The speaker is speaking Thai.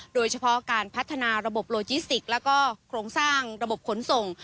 โดยเฉพาะการพัฒนาระบบโลจิสติกแล้วก็โครงสร้างระบบขนส่ง